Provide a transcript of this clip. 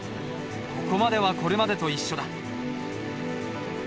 ここまではこれまでと一緒だ。